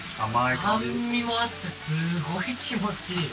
酸味もあってすごい気持ちいい。